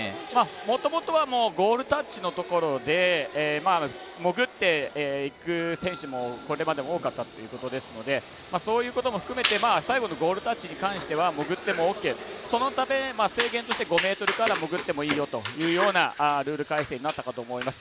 もともとはゴールタッチのところで潜っていく選手もこれまでも多かったっていうことですのでそういうことも含めて最後のゴールタッチに関しては潜ってもオーケーそのため、制限として５ｍから潜ってもいいよというようなルール改正になったかと思います。